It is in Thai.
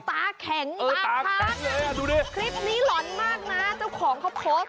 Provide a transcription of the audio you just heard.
ตาแข็งตาพัดเลยดูดิคลิปนี้หล่อนมากนะเจ้าของเขาโพสต์